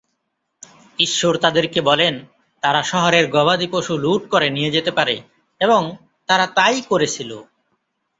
ঈশ্বর তাদেরকে বলেন তারা শহরের গবাদিপশু লুট করে নিয়ে যেতে পারে এবং তারা তাই করেছিলো।